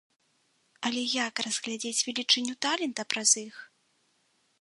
Але як разглядзець велічыню талента праз іх?